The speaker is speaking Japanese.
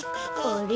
あれ？